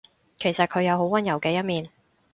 其實佢有好溫柔嘅一面